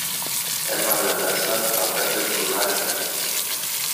Έβαλε μέσα τα πέντε πουλάκια.